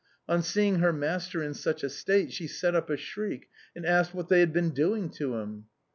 On seeing her master in such a state, she set up a shriek, and asked "what they had been doing to him?"